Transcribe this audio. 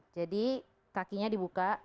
jadi kakinya dibuka